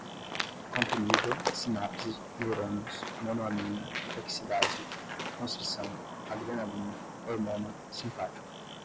comprimida, sinapse, neurônios, monoamina oxidase, constrição, adrenalina, hormona, simpático